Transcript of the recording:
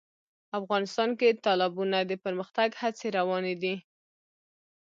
افغانستان کې د تالابونه د پرمختګ هڅې روانې دي.